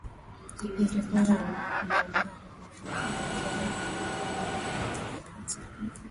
akifunga mabao mawili kwenye mchezo wa fainali dhidi ya Brazil